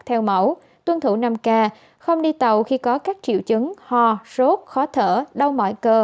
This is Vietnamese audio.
theo mẫu tuân thủ năm k không đi tàu khi có các triệu chứng ho sốt khó thở đau mọi cơ